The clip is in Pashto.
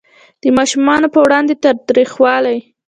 د ماشومانو په وړاندې تاوتریخوالی